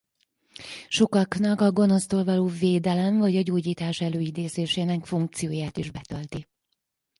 Sokaknak a gonosztól való védelem vagy a gyógyítás előidézésének funkcióját is betölti.